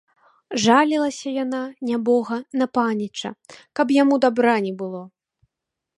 Жалілася яна, нябога, на паніча, каб яму дабра не было!